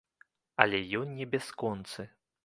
Але ён не бясконцы.